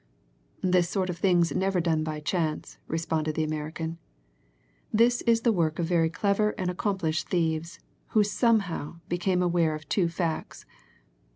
"This sort of thing's never done by chance," responded the American. "This is the work of very clever and accomplished thieves who somehow became aware of two facts.